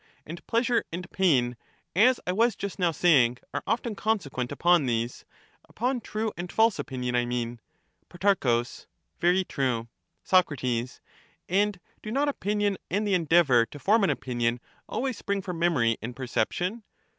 And pleasure and pain, as I was just now saying, are often consequent upon these — upon true and false opinion, I mean. Pro. Very true. Soc. And do not opinion and the endeavour to form an Opinions opinion always spring from memory and perception